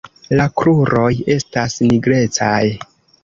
La kruroj estas nigrecaj.